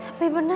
sampai bener ya